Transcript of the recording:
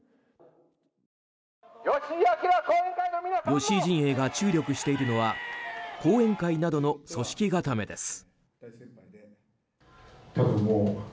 吉井陣営が注力しているのは後援会などの組織固めです。